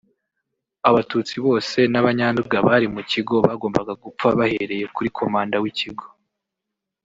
Abatutsi bose n’Abanyanduga bari mu kigo bagomba gupfa bahereye kuri Komanda w’ikigo